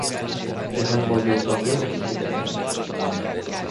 Ja hän voi joutua vieläkin pitemmälle.